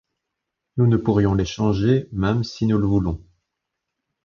Nous ne pourrions les changer, même si nous le voulons.